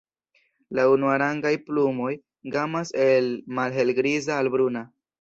La unuarangaj plumoj gamas el malhelgriza al bruna.